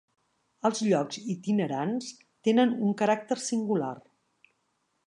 Els llocs itinerants tenen un caràcter singular.